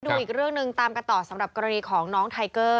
อีกเรื่องหนึ่งตามกันต่อสำหรับกรณีของน้องไทเกอร์